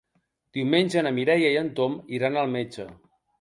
Diumenge na Mireia i en Tom iran al metge.